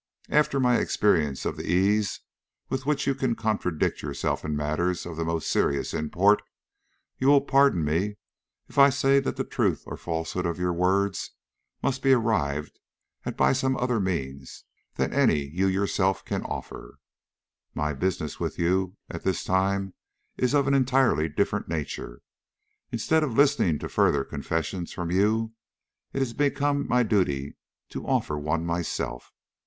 After my experience of the ease with which you can contradict yourself in matters of the most serious import, you will pardon me if I say that the truth or falsehood of your words must be arrived at by some other means than any you yourself can offer. My business with you at this time is of an entirely different nature. Instead of listening to further confessions from you, it has become my duty to offer one myself.